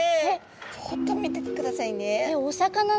ちょっと見ててくださいね。